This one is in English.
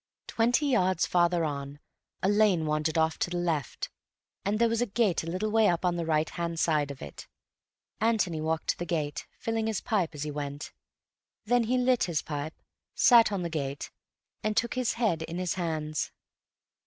Twenty yards farther on a lane wandered off to the left, and there was a gate a little way up on the right hand side of it. Antony walked to the gate, filling his pipe as he went. Then he lit his pipe, sat on the gate, and took his head in his hands.